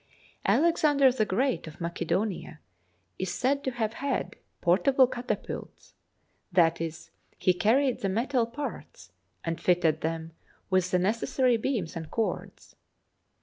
Alexander the Great, of Macedonia, is said to have had portable catapults — that is, he carried the metal parts, and fitted them with the necessary beams and cords.